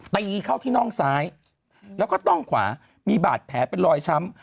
ตีเข้าที่น่องซ้ายแล้วก็ต้องขวามีบาดแผลเป็นรอยช้ำ